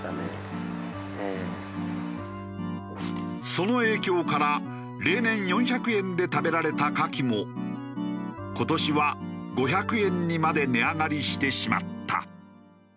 その影響から例年４００円で食べられたカキも今年は５００円にまで値上がりしてしまった。